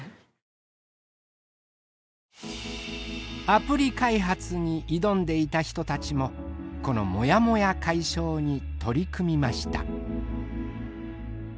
アプリ開発に挑んでいた人たちもこのもやもや解消に取り組みました。